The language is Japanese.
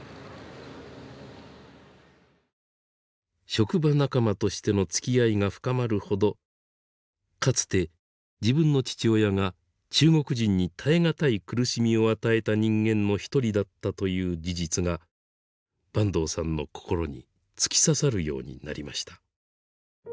職場仲間としてのつきあいが深まるほどかつて自分の父親が中国人に耐え難い苦しみを与えた人間の一人だったという事実が坂東さんの心に突き刺さるようになりました。